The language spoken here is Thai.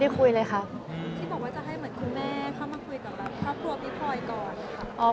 คุยเลยค่ะที่บอกว่าจะให้เหมือนคุณแม่เข้ามาคุยกับครอบครัวพี่พลอยก่อนค่ะ